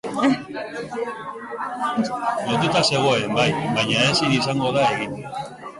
Lotuta zegoen, bai, baina ezin izango da egin.